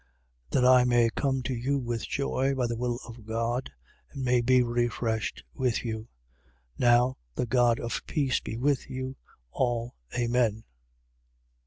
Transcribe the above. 15:32. That I may come to you with joy, by the will of God, and may be refreshed with you. 15:33. Now the God of peace be with, you all. Amen.